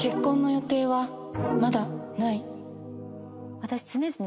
私常々。